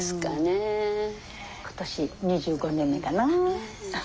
今年２５年目かな。